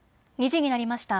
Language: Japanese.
２時になりました。